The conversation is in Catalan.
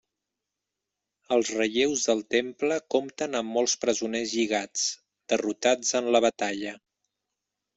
Els relleus del temple compten amb molts presoners lligats, derrotats en la batalla.